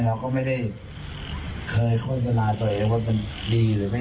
เราไม่จำเป็นต้องพิสูจน์ตัวเองในเรื่องต่อแหละ